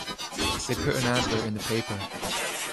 They put an advert in the paper.